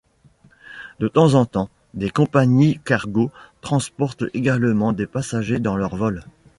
De temps en temps des compagnies cargo transportent également des passagers dans leurs vols.